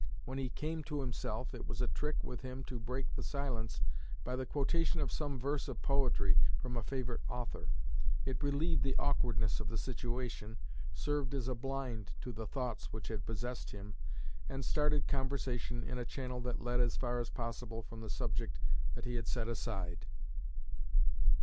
When he 'came to himself' it was a trick with him to break the silence by the quotation of some verse of poetry from a favorite author. It relieved the awkwardness of the situation, served as a 'blind' to the thoughts which had possessed him, and started conversation in a channel that led as far as possible from the subject that he had set aside."